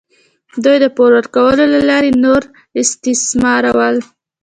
دوی د پور ورکولو له لارې نور استثمارول.